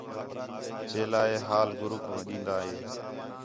چیلا ہے حال گُروک ݙین٘داں ہِے